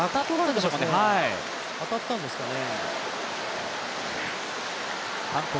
当たったんですかね。